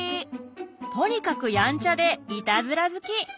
とにかくやんちゃでイタズラ好き。